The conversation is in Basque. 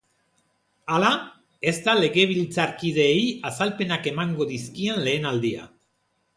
Hala, ez da legebiltzarkideei azalpenak emango dizkien lehen aldia.